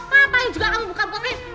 katanya juga kamu bukan pokoknya